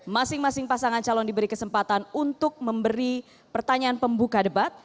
masing masing pasangan calon diberi kesempatan untuk memberi pertanyaan pembuka debat